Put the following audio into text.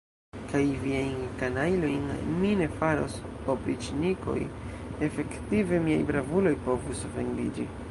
Kaj viajn kanajlojn mi ne faros opriĉnikoj, efektive miaj bravuloj povus ofendiĝi.